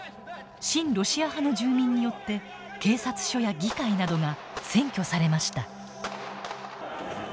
親ロシア派の住民によって警察署や議会などが「占拠」されました。